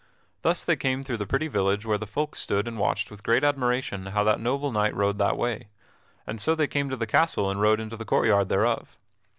Thus they came through the pretty village where the folk stood and watched with great admiration how that noble knight rode that way; and so they came to the castle and rode into the court yard thereof.